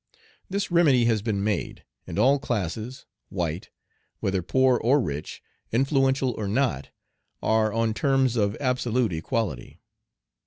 This remedy has been made, and all classes (white), whether poor or rich, influential or not, are on terms of absolute equality.